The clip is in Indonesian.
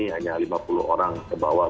hanya lima puluh orang ke bawah